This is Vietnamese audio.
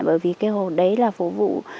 bởi vì cái hồ đấy là phục vụ